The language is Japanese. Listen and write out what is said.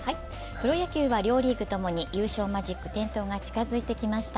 プロ野球は両リーグともに優勝マジック点灯が近づいてきました。